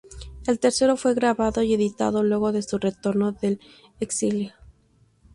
El tercero fue grabado y editado luego de su retorno del exilio.